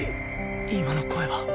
今の声は？